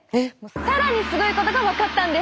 更にすごいことが分かったんです。